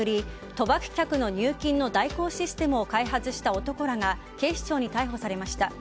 賭博客の入金の代行システムを開発した男らが警視庁に逮捕されました。